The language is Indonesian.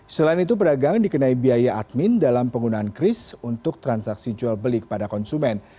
selain itu pedagang dikenai biaya admin dalam penggunaan kris untuk transaksi jual beli kepada konsumen